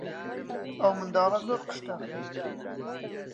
ئەو منداڵە زۆر قشتە.